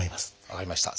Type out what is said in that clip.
分かりました。